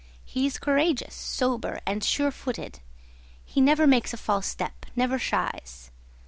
He is courageous, sober, and surefooted. He never makes a false step, never shies.